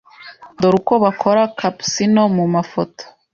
dore uko bakora capuccinno mu mafoto